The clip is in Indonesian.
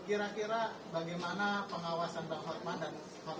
kira kira bagaimana pengawasan bang hotman dan